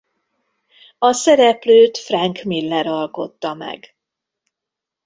A szereplőt Frank Miller alkotta meg.